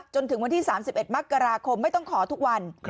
จนถึงวันที่๓๑มกราคมไม่ต้องขอทุกวัน